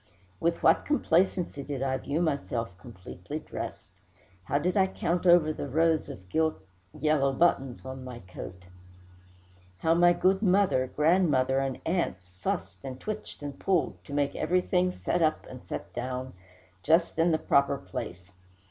With what complacency did I view myself completely dressed! How did I count over the rows of yellow gilt buttons on my coat! how my good mother, grandmother, and aunts fussed, and twitched, and pulled, to make everything set up and set down, just in the proper place!